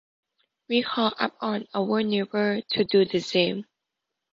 We call upon our neighbours to do the same.